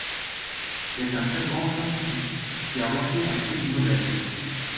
C'est un très grand scientifique, qui a reçu un prix Nobel.